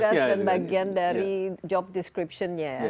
jadi kita disarankan dari deskripsi kerja ya